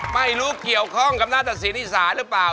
ไม่รู้เกี่ยวข้องกับน่าจะศีรษะหรือเปล่า